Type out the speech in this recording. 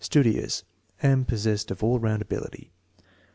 udious," and possessed of "all round ability."